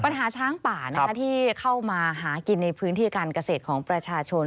ปัญหาช้างป่าที่เข้ามาหากินในพื้นที่การเกษตรของประชาชน